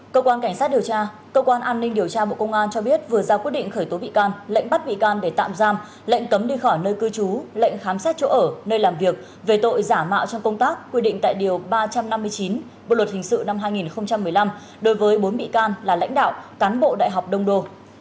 cơ quan cảnh sát điều tra cơ quan an ninh điều tra bộ công an cho biết vừa ra quyết định khởi tố bị can lệnh bắt bị can để tạm giam lệnh cấm đi khỏi nơi cư trú lệnh khám xét chỗ ở nơi làm việc về tội giả mạo trong công tác quy định tại điều ba trăm năm mươi chín bộ luật hình sự năm hai nghìn một mươi năm đối với bốn bị can là lãnh đạo cán bộ đại học đông đô